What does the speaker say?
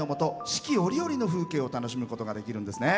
四季折々の風景を楽しむことができるんですね。